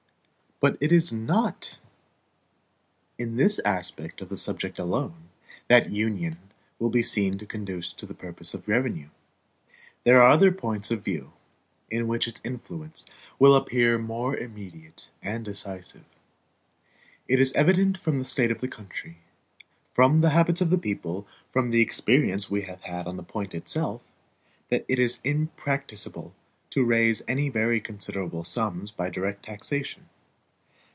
But it is not in this aspect of the subject alone that Union will be seen to conduce to the purpose of revenue. There are other points of view, in which its influence will appear more immediate and decisive. It is evident from the state of the country, from the habits of the people, from the experience we have had on the point itself, that it is impracticable to raise any very considerable sums by direct taxation.